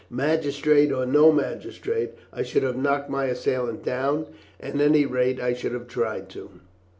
Magistrate or no magistrate, I should have knocked my assailant down, or at any rate I should have tried to."